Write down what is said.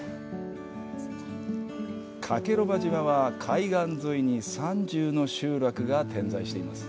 加計呂麻島は、海岸沿いに３０の集落が点在しています。